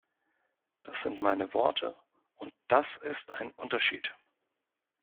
Das sind meine Worte und das ist ein Unterschied.